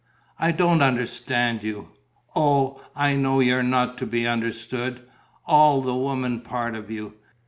I don't understand you. Oh, I know, you're not to be understood, all the woman part of you!